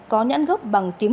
có nhãn gốc bằng tiếng